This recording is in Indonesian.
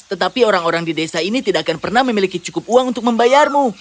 tetapi orang orang di desa ini tidak akan pernah memiliki cukup uang untuk membayarmu